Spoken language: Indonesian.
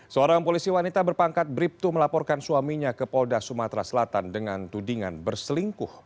seorang polisi wanita berpangkat bribtu melaporkan suaminya ke polda sumatera selatan dengan tudingan berselingkuh